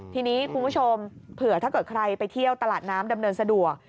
ทีนี้คุณผู้ชมเผื่อถ้าเกิดใครไปเที่ยวตลาดน้ำดำเนินสะดวก